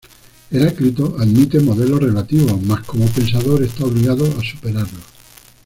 Heráclito admite modelos relativos, mas como pensador está obligado a superarlos.